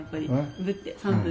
分って３分。